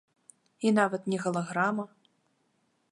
І нават не галаграма.